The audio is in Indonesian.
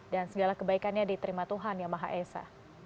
dan segala kebaikannya diterima tuhan yang maha esa